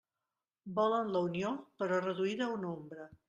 Volen la Unió; però reduïda a una ombra.